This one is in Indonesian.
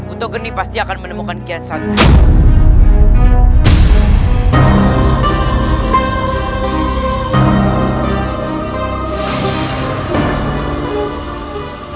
uto geni pasti akan menemukan kian santang